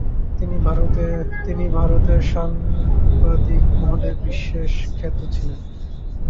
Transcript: তিনি ভারতের সাংবাদিক মহলে বিশেষ খ্যাত ছিলেন।